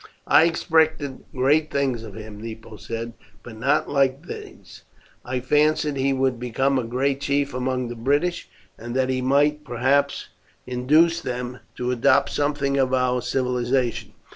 "I expected great things of him," Nepo said; "but not like these. I fancied he would become a great chief among the British, and that he might perhaps induce them to adopt something of our civilization.